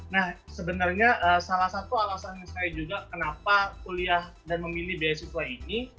nah sebenarnya salah satu alasannya saya juga kenapa kuliah dan memilih beasiswa ini